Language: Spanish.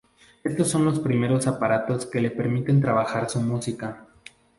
Estos son los primeros aparatos que le permiten trabajar su música.